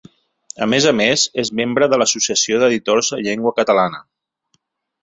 A més a més, és membre de l'Associació d'Editors en Llengua Catalana.